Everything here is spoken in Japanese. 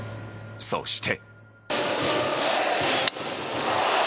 そして。